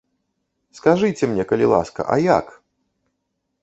Скажыце мне, калі ласка, а як?